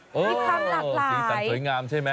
สีสันสวยงามใช่มั้ย